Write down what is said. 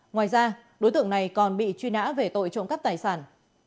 ngoài ra đối tượng này còn bị truy nã về tội trộm cắp tài sản